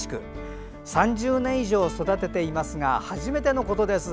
３０年以上育てていますが初めてのことです